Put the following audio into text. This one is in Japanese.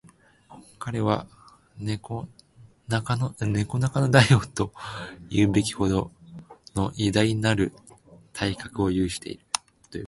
彼は猫中の大王とも云うべきほどの偉大なる体格を有している